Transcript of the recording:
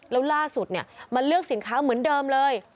แล้วล่าสุดมาเลือกสินค้าเหมือนเดิมเลย